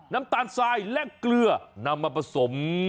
น้ำตาลทรายและเกลือนำมาผสม